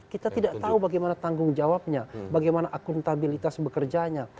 kita tidak tahu bagaimana tanggung jawabnya bagaimana akuntabilitas bekerjanya